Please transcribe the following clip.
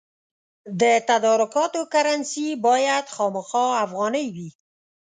د تدارکاتو کرنسي باید خامخا افغانۍ وي.